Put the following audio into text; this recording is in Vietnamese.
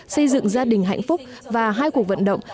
xây dựng gia đình hạnh phúc và hai cuộc vận động